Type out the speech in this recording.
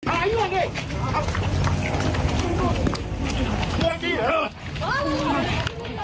อ่ะอ้าไปไปพ่อพ่อหยุด